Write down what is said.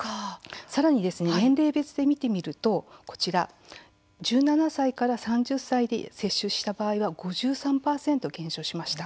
さらに年齢別で見てみるとこちら、１７歳から３０歳で接種した場合は５３％減少しました。